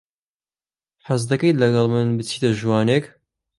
حەز دەکەیت لەگەڵ من بچیتە ژوانێک؟